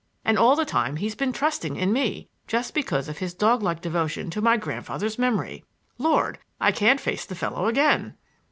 And all the time he's been trusting in me, just because of his dog like devotion to my grandfather's memory. Lord, I can't face the fellow again!"